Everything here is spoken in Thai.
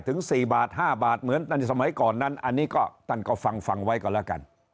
ถึง๔บาท๕บาทเหมือนในสมัยก่อนนั้นอันนี้ก็ท่านก็ฟังฟังไว้ก่อนแล้วกัน